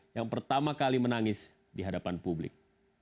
yang pertama kali menangis di hadapan publik